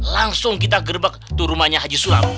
langsung kita gerbak ke rumahnya haji sulam